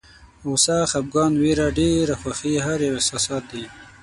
غوسه، خپګان، ویره، ډېره خوښي هر یو احساسات دي.